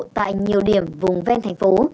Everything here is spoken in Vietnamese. tại nhiều điểm vùng ven thành phố